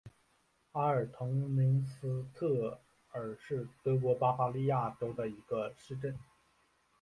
阿尔滕明斯特尔是德国巴伐利亚州的一个市镇。